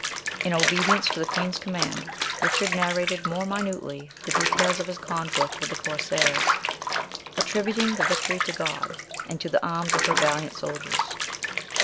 In obedience to the queen's command, Richard narrated more minutely the details of his conflict with the corsairs, attributing the victory to God, and to the arms of her valiant soldiers.